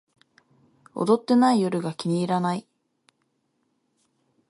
踊ってない夜が気に入らない